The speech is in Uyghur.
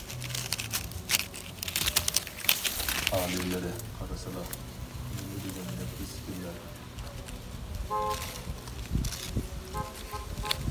ئالىيلىرى، قارىسىلا، نېمىدېگەن نەپىس گۈللەر!